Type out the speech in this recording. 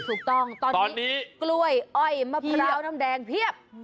ถูกต้องตอนนี้กล้วยอ้อยมะพร้าวน้ำแดงเพียบ